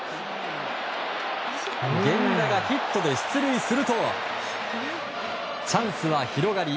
源田がヒットで出塁するとチャンスは広がり